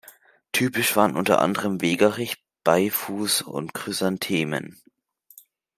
Typisch waren unter anderem Wegerich, Beifuß und Chrysanthemen.